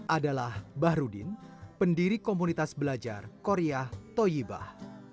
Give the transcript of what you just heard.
adalah bahrudin pendiri komunitas belajar korea toyibah